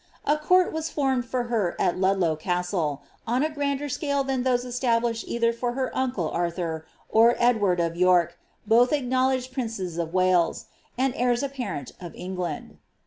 A court was foimed for her at Lud low Castle, on a grander scale than those established either for her uncle Arthur, or Edward of York, both acknowledged princes of Wal», and heirs apparent of England.'